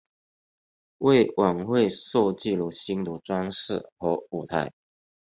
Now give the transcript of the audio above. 为晚会设计了新的装饰和舞台。